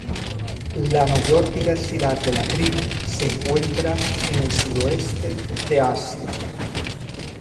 La mayor diversidad de la tribu se encuentra en el sudeste de Asia.